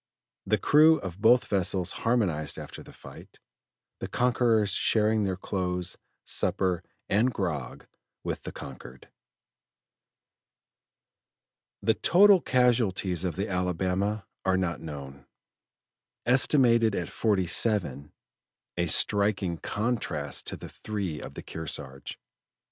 The crew of both vessels harmonized after the fight, the conquerors sharing their clothes, supper, and grog with the conquered. The total casualties of the Alabama are not known, estimated at forty seven a striking contrast to the three of the Kearsarge.